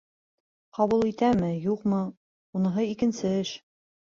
Ҡабул итәме, юҡмы — уныһы икенсе эш!